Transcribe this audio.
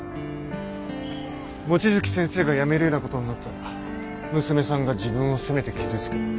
望月先生が辞めるような事になったら娘さんが自分を責めて傷つく。